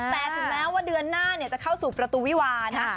แต่ถึงแม้ว่าเดือนหน้าจะเข้าสู่ประตูวิวานะ